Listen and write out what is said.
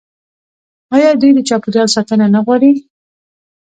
آیا دوی د چاپیریال ساتنه نه غواړي؟